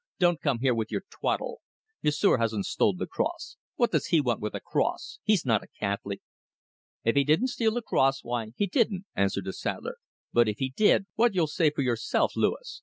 "Don't come here with your twaddle. M'sieu' hasn't stole the cross. What does he want with a cross? He's not a Catholic." "If he didn't steal the cross, why, he didn't," answered the saddler; "but if he did, what'll you say for yourself, Louis?